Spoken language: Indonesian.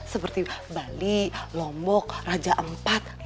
seperti bali lombok raja iv